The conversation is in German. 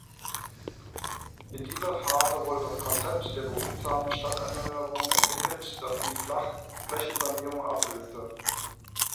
In dieser Phase wurde das Konzept der "Behutsamen Stadterneuerung" entwickelt, das die Flächensanierung ablöste.